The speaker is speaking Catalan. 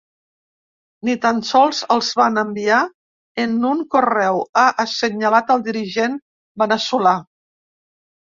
“Ni tan sols el van enviar en un correu”, ha assenyalat el dirigent veneçolà.